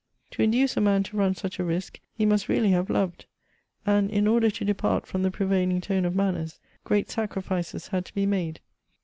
To induce a man to run such a risk, he must really have loved ; and, in order to depart from the prevailing tone of manners, great sacrifices had to be made.